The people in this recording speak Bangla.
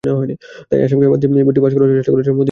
তাই আসামকে বাদ দিয়েই বিলটি পাস করার চেষ্টা করেছিল মোদির সরকার।